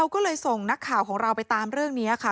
ของนักข่าวของเราไปตามเรื่องนี้ค่ะ